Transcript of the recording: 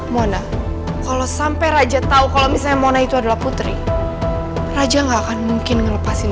mona kalau sampai raja tahu kalau misalnya mona itu adalah putri raja enggak akan mungkin melepasin